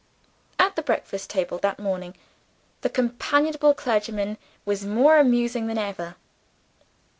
At the breakfast table that morning, the companionable clergyman was more amusing than ever.